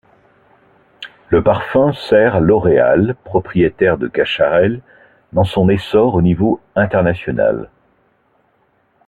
Le parfum sert L'Oréal, propriétaire de Cacharel, dans son essor au niveau international.